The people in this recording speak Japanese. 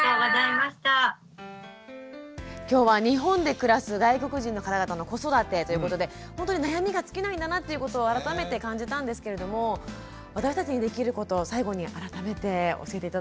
今日は日本で暮らす外国人の方々の子育てということでほんとに悩みが尽きないんだなっていうことを改めて感じたんですけれども私たちにできること最後に改めて教えて頂けますでしょうか。